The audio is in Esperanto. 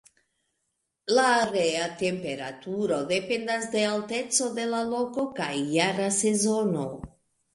La aera temperaturo dependas de alteco de la loko kaj jara sezono.